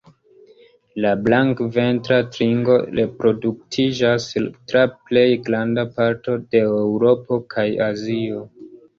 La Blankventra tringo reproduktiĝas tra plej granda parto de Eŭropo kaj Azio.